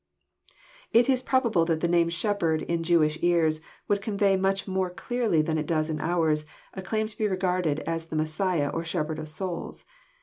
It is probable that the name '< shepherd;" In Jewish ears, would convey, much' more clearly than it does in ours, a claim to be regarded as the Messiah or Shepherd of souls.